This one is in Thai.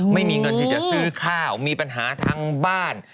ไม่มีเงินที่จะซื้อข้าวมีปัญหาทางบ้าน